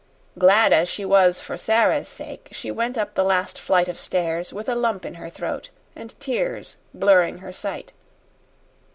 Glad as she was for Sara's sake, she went up the last flight of stairs with a lump in her throat and tears blurring her sight.